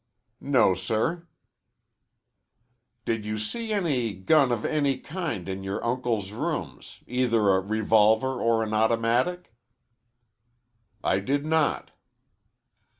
"No, sir." "Did you see any gun of any kind in your uncle's rooms either a revolver or an automatic?" "I did not."